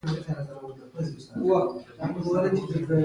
باز د خپل هدف لپاره تمرکز کوي